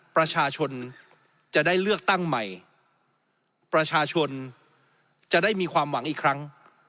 ประชาชนจะได้เลือกตั้งใหม่ประชาชนจะได้มีความหวังอีกครั้ง